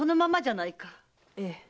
ええ。